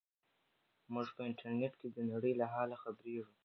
موږ په انټرنیټ کې د نړۍ له حاله خبریږو.